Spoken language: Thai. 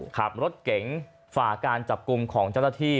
ขับรถเก๋งฝ่าการจับกลุ่มของเจ้าหน้าที่